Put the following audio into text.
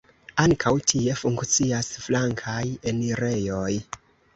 Ankaŭ tie funkcias flankaj enirejoj.